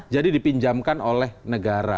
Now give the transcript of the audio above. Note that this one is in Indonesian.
jadi dipinjamkan oleh negara